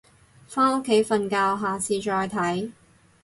返屋企瞓覺，下次再睇